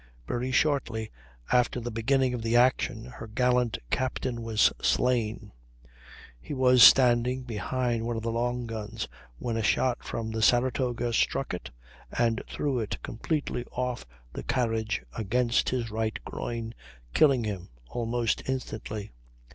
Very shortly after the beginning of the action her gallant captain was slain. He was standing behind one of the long guns when a shot from the Saratoga struck it and threw it completely off the carriage against his right groin, killing him almost instantly.